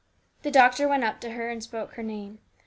The doctor went up to her and spoke her name.